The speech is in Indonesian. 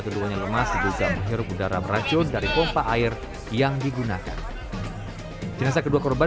keduanya lemas diduga menghirup udara beracun dari pompa air yang digunakan jenazah kedua korban